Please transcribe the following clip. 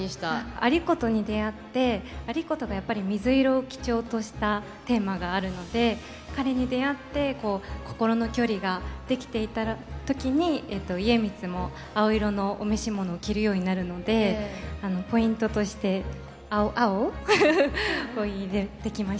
有功に出会って有功がやっぱり水色を基調としたテーマがあるので彼に出会ってこう心の距離ができていった時に家光も青色のお召し物を着るようになるのでポイントとして青青を入れてきました。